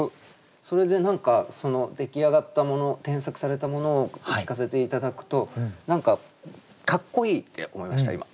それで何か出来上がったもの添削されたものを聞かせて頂くと何かかっこいいって思いました